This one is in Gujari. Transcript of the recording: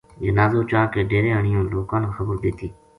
جنازو چا کے ڈیرے آنیو لوکاں نا خبر دِتی